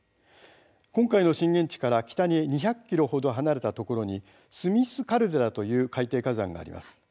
今回の震源地から北に２００ｋｍ程、離れたところに須美寿カルデラという海底火山があります。